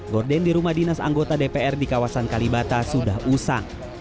gorden di rumah dinas anggota dpr di kawasan kalibata sudah usang